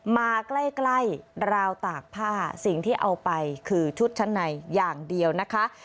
มาใกล้ใกล้ราวตากผ้าสิ่งที่เอาไปคือชุดชั้นในอย่างเดียวนะคะ